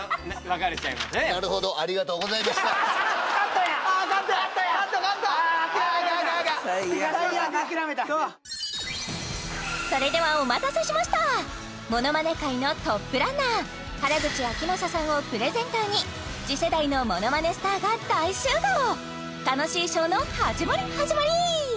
アカンアカンアカン最悪だそれではお待たせしましたものまね界のトップランナー原口あきまささんをプレゼンターに次世代のものまねスターが大集合楽しいショーの始まり始まり